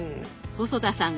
細田さん